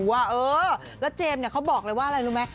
ว่าเออแล้วเจมส์เขาบอกเลยว่าอะไรรู้ไหม